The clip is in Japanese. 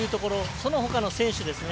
そのほかの選手ですね。